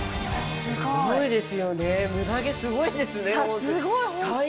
すごいですよね。